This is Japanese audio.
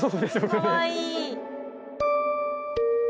かわいい。